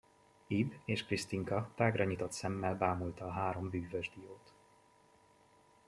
Ib és Krisztinka tágra nyitott szemmel bámulta a három bűvös diót.